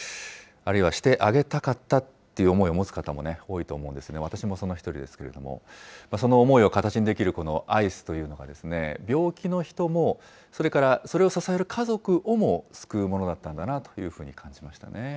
あるいはしてあげたかったっていう思いを持つ方も多いと思うんですね、私もその１人ですけれども、その思いを形にできるこのアイスというのが、病気の人も、それからそれを支える家族をも救うものだったんだなというふうに感じましたね。